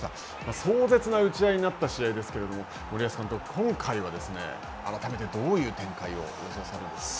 壮絶な打ち合いになった試合ですけれども森保監督、今回は改めてどういう展開を予想されますか。